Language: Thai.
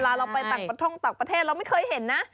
เวลาเราไปท่องต่างประเทศเราไม่เคยเห็นนะ